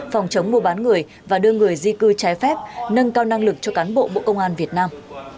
phòng chống mua bán người và đưa người di cư trái phép nâng cao năng lực cho cán bộ bộ công an việt nam